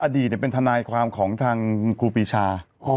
อดีตเป็นทนายความของทางครูปีชา